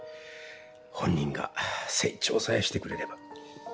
本人が成長さえしてくれれば。